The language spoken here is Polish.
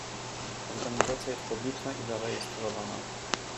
"Organizacja jest publiczna i zarejestrowana."